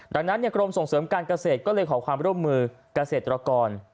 ดังนั้นกรมส่งเสริมการเกษตรก็เลยขอความร่วมมือเกษตรกร